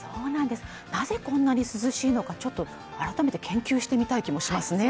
なぜこんなに涼しいのか、改めて研究してみたい気もしますね。